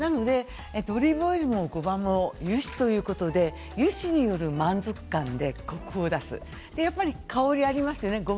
ですのでオリーブオイルもごまも油脂ということで油脂による満足感でコクを出す香りもありますよね。